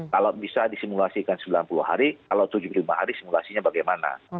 kalau bisa disimulasikan sembilan puluh hari kalau tujuh puluh lima hari simulasinya bagaimana